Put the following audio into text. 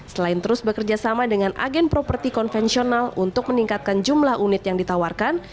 selain terus bekerja sama dengan agen properti konvensional untuk meningkatkan jumlah unit yang ditawarkan